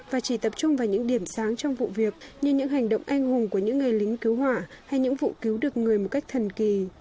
và chỉ tập trung vào những điểm sáng trong vụ việc như những hành động anh hùng của những người lính cứu hỏa hay những vụ cứu được người một cách thần kỳ